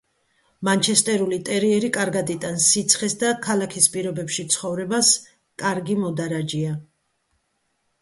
მანჩესტერული ტერიერი კარგად იტანს სიცხეს და ქალაქის პირობებში ცხოვრებას, კარგი მოდარაჯეა.